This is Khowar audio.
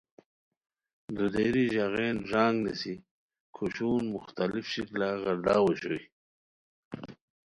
دودیری ژاغین ݱانگ نیسی کھوشون مختلف شکلہ غیرداؤ اوشوئے